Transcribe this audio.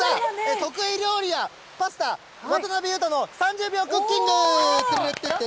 得意料理はパスタ、渡辺裕太の３０秒クッキング。